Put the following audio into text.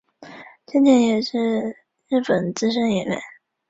西南印度洋盆地的热带气旋由位于留尼汪的区域专责气象中心监测。